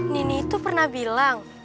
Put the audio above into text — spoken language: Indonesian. nini itu pernah bilang